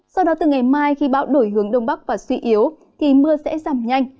sau đó từ ngày mai khi bão đổi hướng đông bắc và suy yếu thì mưa sẽ giảm nhanh